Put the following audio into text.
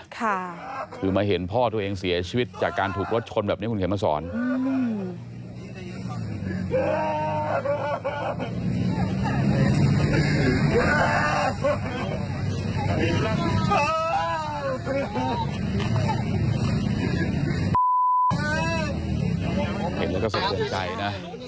ค่ะคือมาเห็นพ่อตัวเองเสียชีวิตจากการถูกรถชนแบบนี้คุณเขียนมาสอนใจนะ